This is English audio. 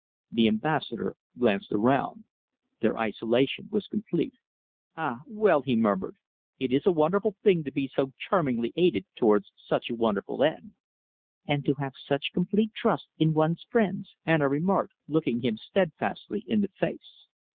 The Ambassador glanced around. Their isolation was complete. "Ah! well," he murmured, "it is a wonderful thing to be so charmingly aided towards such a wonderful end." "And to have such complete trust in one's friends," Anna remarked, looking him steadfastly in the face.